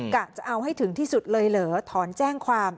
จะเอาให้ถึงที่สุดเลยเหรอถอนแจ้งความ